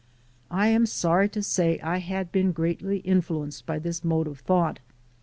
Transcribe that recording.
I am sorry to say I had been greatly influenced by this mode of thought.